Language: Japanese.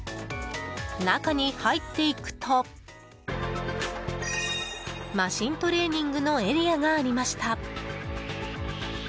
中に入っていくとマシントレーニングのエリアがありました。